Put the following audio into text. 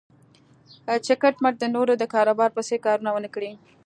چې کټ مټ د نورو د کاروبار په څېر کارونه و نه کړي.